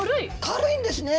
軽いんですね。